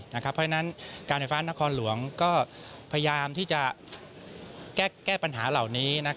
เพราะฉะนั้นการไฟฟ้านครหลวงก็พยายามที่จะแก้ปัญหาเหล่านี้